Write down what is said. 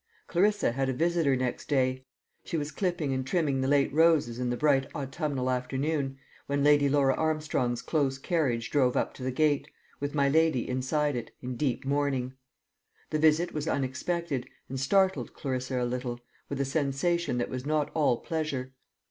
Clarissa had a visitor next day. She was clipping and trimming the late roses in the bright autumnal afternoon, when Lady Laura Armstrong's close carriage drove up to the gate, with my lady inside it, in deep mourning. The visit was unexpected, and startled Clarissa a little, with a sensation that was not all pleasure.